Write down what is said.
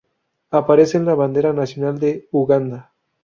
Aparece en la bandera nacional de Uganda.